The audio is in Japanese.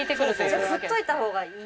じゃあ振っといた方がいい。